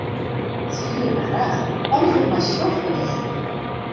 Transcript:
Wat fiel ik my raar, alles wurdt my swart foar de eagen.